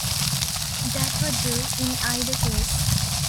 That would do in either case.